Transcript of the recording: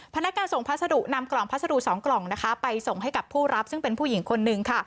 พนักงานส่งพัสดุนำกล่องพัสดุ๒กล่องนะคะไปส่งให้กับผู้รับซึ่งเป็นผู้หญิงคนนึงค่ะ